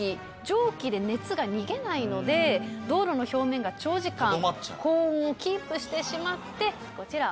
蒸気で熱が逃げないので道路の表面が長時間高温をキープしてしまってこちら。